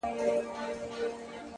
داده ميني ښار وچاته څه وركوي ـ